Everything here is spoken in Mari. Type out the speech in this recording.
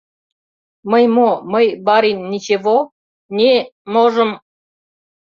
— Мый мо... мый, барин, ничево... не... можым...